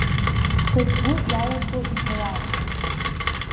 Са сгәы иалақәо иҳәауам.